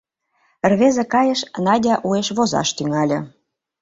Рвезе кайыш, Надя уэш возаш тӱҥале.